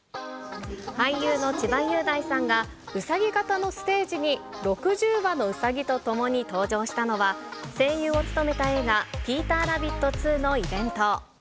俳優の千葉雄大さんがウサギ形のステージに、６０羽のウサギと共に登場したのは、声優を務めた映画、ピーターラビット２のイベント。